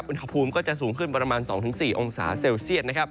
อุณหภูมิก็จะสูงขึ้นประมาณ๒๔องศาเซลเซียต